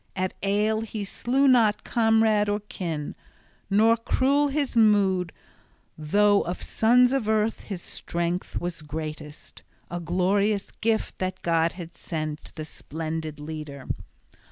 At ale he slew not comrade or kin; nor cruel his mood, though of sons of earth his strength was greatest, a glorious gift that God had sent the splendid leader.